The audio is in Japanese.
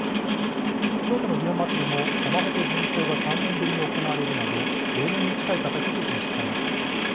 京都の園祭も山鉾巡行が３年ぶりに行われるなど例年に近い形で実施されました。